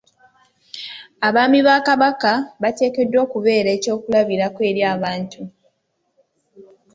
Abaami ba Kabaka bateekeddwa okubeera ekyokulabirako eri abantu.